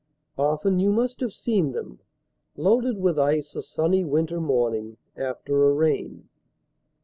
Often you must have seen them Loaded with ice a sunny winter morning After a rain.